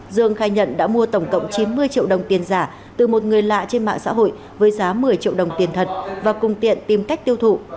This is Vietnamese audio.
dương khai nhận đã mua tổng cộng chín mươi triệu đồng tiền giả từ một người lạ trên mạng xã hội với giá một mươi triệu đồng tiền thật và cùng tiện tìm cách tiêu thụ